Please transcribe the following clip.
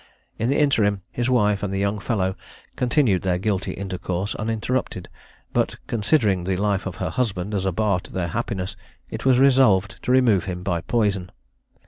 In the interim his wife and the young fellow continued their guilty intercourse uninterrupted; but, considering the life of her husband as a bar to their happiness, it was resolved to remove him by poison.